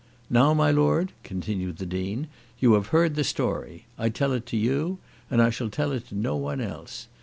"Now, my lord," continued the Dean, "you have heard the story. I tell it to you, and I shall tell it to no one else.